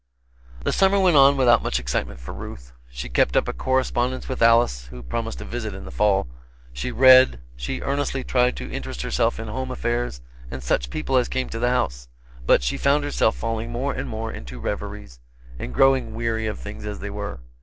The summer went on without much excitement for Ruth. She kept up a correspondence with Alice, who promised a visit in the fall, she read, she earnestly tried to interest herself in home affairs and such people as came to the house; but she found herself falling more and more into reveries, and growing weary of things as they were.